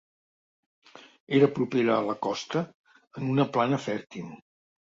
Era propera a la costa en una plana fèrtil.